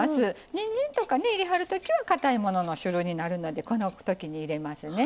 にんじんとか入れはるときはかたいものが主流になるのでこのときに入れますね。